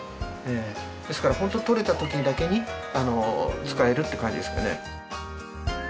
ですからホント採れた時だけに使えるって感じですね。